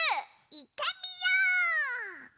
いってみよう！